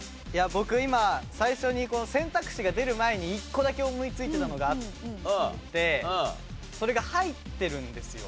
僕今最初に選択肢が出る前に１個だけ思いついてたのがあってそれが入ってるんですよ。